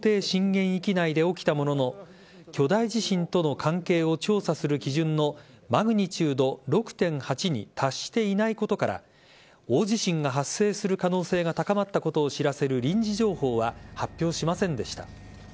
震源域内で起きたものの巨大地震との関係を調査する基準のマグニチュード６．８に達していないことから大地震が発生する可能性が高まったことを知らせる臨時情報は発表しませんでした。